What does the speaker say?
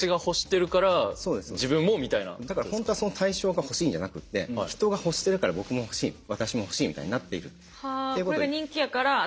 だから本当はその対象が欲しいんじゃなくって人が欲してるから僕も欲しい私も欲しいみたいになっている。